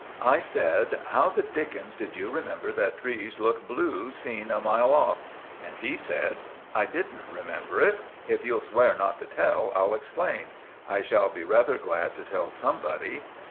I said— "How the dickens did you remember that trees look blue seen a mile off?" And he said— "I didn't remember it. If you'll swear not to tell, I'll explain. I shall be rather glad to tell somebody."